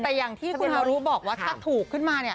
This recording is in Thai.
แต่อย่างที่คุณฮารุบอกว่าถ้าถูกขึ้นมา